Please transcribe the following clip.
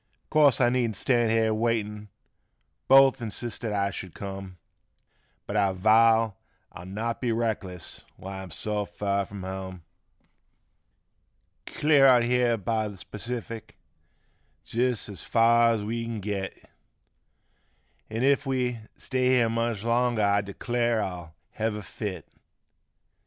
Course I needn't stand here waitin', both insisted I should come, But I vow I'll not be reckless when I am so fer from hum. 52 ON NEWBRASKY'S FERTILE SHORE. 53 Clear out here by th' Pacific, jist as fur as we kin git An' if we stay here much longer I declare I'll hev a fit.